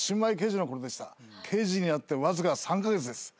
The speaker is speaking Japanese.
刑事になってわずか３カ月です。